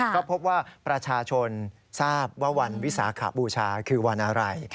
ก็พบว่าประชาชนทราบว่าวันวิสาขบูชาคือวันอะไร